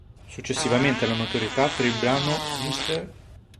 Successivamente alla notorietà per il brano "Mr.